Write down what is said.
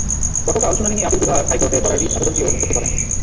গতকাল শুনানি নিয়ে আপিল বিভাগ হাইকোর্টে করা রিট আবেদনটিও নিষ্পত্তি করেন।